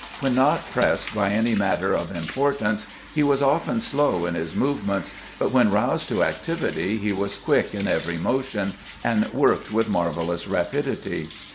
When not pressed by any matter of importance he was often slow in his movements, but when roused to actiAdty he was quick in every motion, and worked with marvelous rapidity.